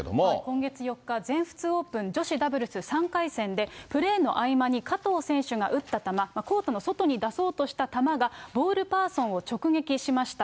今月４日、全仏オープン女子ダブルス３回戦で、プレーの合間に加藤選手が打った球、コートの外に出そうとした球がボールパーソンを直撃しました。